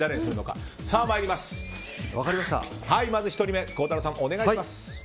さあ、まず１人目孝太郎さん、お願いします。